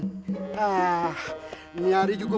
ini hari cukup